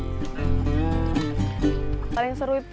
yang paling seru itu